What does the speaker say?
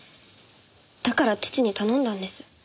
だから父に頼んだんです。